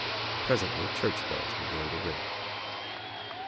Pres ently church bells began to ring.